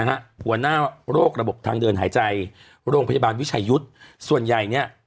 หัวหน้าโรคระบบทางเดินหายใจโรงพยาบาลวิชายุทธ์ส่วนใหญ่เนี่ย